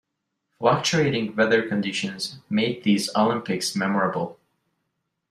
Fluctuating weather conditions made these Olympics memorable.